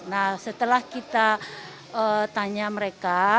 nah setelah kita tanya mereka